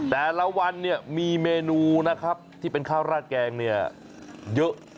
แต่ละวันเนี่ยมีเมนูนะครับที่เป็นข้าวราดแกงเนี่ยเยอะ